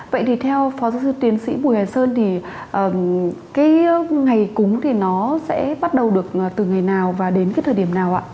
vậy thì theo phó giáo sư tiến sĩ bùi huyền sơn thì cái ngày cúng thì nó sẽ bắt đầu được từ ngày nào và đến cái thời điểm nào ạ